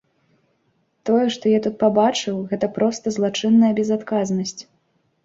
Тое, што я тут пабачыў, гэта проста злачынная безадказнасць.